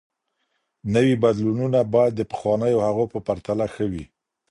نوي بدلونونه بايد د پخوانيو هغو په پرتله ښه وي.